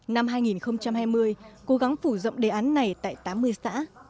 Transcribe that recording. năm hai nghìn hai mươi cố gắng phủ rộng đề án này tại tám mươi xã